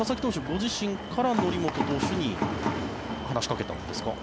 ご自身から則本投手に話しかけたんですか？